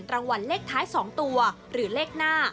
รางวัลเลขท้าย๒ตัวหรือเลขหน้า